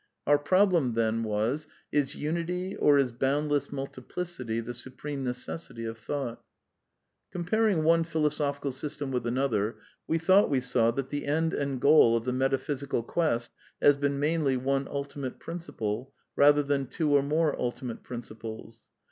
Our prob lem then was : Is unity or is boundless multiplicity the supreme necessity of thought ? Comparing one phUosophical system with another, we thought we saw that the end and goal of the metaphy sical quest has been mainly one ultimate principle, rather than two or more ultimate principles.